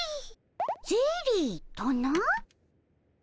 ゼリーとな。